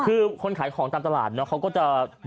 คือคนขายของตามตลาดเนี่ยเขาก็จะเวียนกันไปเนอะ